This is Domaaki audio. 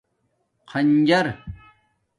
خنجر